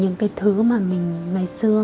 những cái thứ mà mình ngày xưa